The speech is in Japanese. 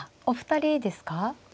お二人ですか？